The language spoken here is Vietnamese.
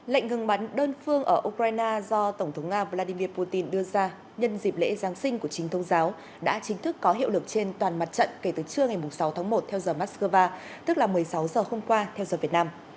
lệnh ngừng bắn đơn phương ở ukraine do tổng thống nga vladimir putin đưa ra nhân dịp lễ giáng sinh của chính thông giáo đã chính thức có hiệu lực trên toàn mặt trận kể từ trưa ngày sáu tháng một theo giờ moscow tức là một mươi sáu giờ hôm qua theo giờ việt nam